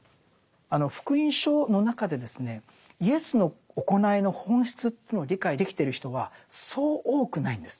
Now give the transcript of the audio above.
あの「福音書」の中でですねイエスの行いの本質というのを理解できてる人はそう多くないんです。